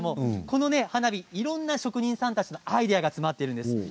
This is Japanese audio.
この花火はいろんな職人さんたちのアイデアが詰まっているんです。